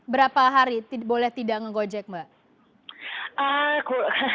berapa hari boleh tidak nge gojek mbak